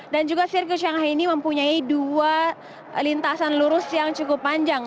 juga sirkus shanghai ini mempunyai dua lintasan lurus yang cukup panjang